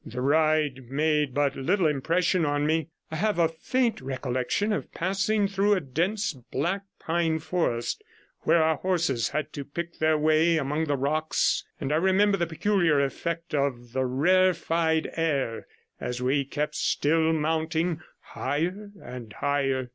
The ride made but little impression on me. I have a faint recollection of passing through a dense black pine forest, where our horses had to pick their way among the rocks, and I remember the peculiar effect of the rarefied air as we kept still mounting higher and higher.